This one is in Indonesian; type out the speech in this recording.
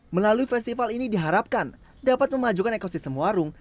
melalui festival ini diharapkan dapat memajukan ekosistem warung